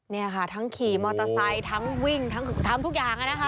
นี่ค่ะทั้งขี่มอเตอร์ไซค์ทั้งวิ่งทั้งทำทุกอย่างนะคะ